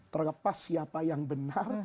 terlepas siapa yang benar